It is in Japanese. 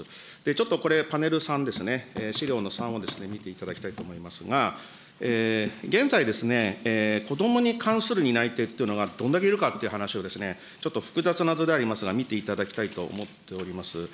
ちょっとこれ、パネル３ですね、資料の３を見ていただきたいと思いますが、現在、子どもに関する担い手というのが、どんだけいるかという話を、ちょっと複雑な図でありますが、見ていただきたいと思っております。